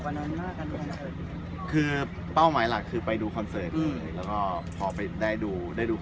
ก็คือเป้าหมายหลักคือไปดูคอนเซอร์ตเลยแล้วก็พอไปได้ดู